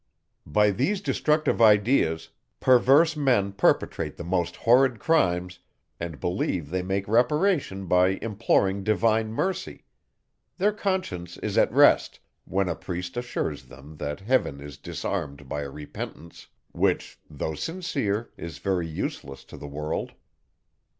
By these destructive ideas, perverse men perpetrate the most horrid crimes, and believe they make reparation by imploring divine mercy; their conscience is at rest, when a priest assures them that heaven is disarmed by a repentance, which, though sincere, is very useless to the world.